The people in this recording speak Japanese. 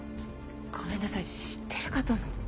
ごめんなさい知ってるかと。